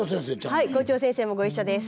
はい校長先生もご一緒です。